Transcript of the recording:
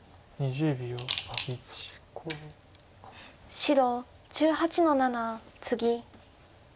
白１８の七ツギ。